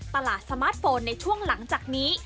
สมาร์ทโฟนในช่วงหลังจากนี้